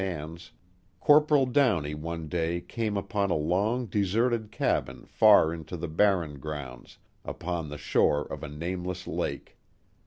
Anne's, Corporal Downey one day came upon a long deserted cabin far into the barren grounds upon the shore of a nameless lake.